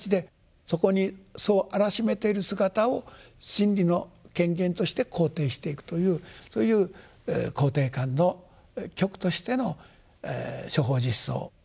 そこにそうあらしめている姿を真理の顕現として肯定していくというそういう肯定感の極としての「諸法実相」。